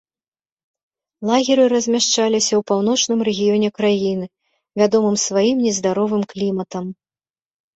Лагеры размяшчаліся ў паўночным рэгіёне краіны, вядомым сваім нездаровым кліматам.